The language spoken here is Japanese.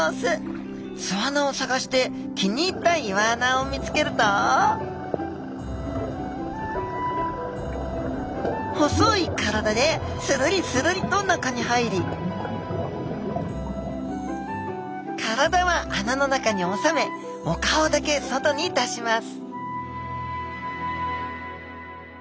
巣穴を探して気に入った岩穴を見つけると細い体でするりするりと中に入り体は穴の中に収めお顔だけ外に出します